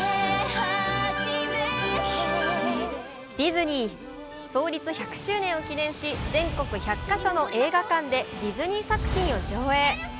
ディズニー創立１００周年を記念し、全国１００か所の映画館でディズニー作品を上映。